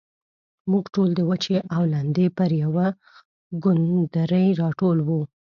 موږ ټول د وچې او لندې پر يوه کوندرې راټول وو.